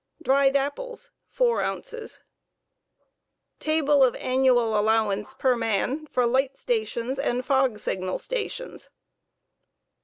Dried apples 4 Table of annual allowance per man for light stations and fog signal stations.